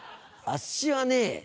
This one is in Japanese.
あっしはね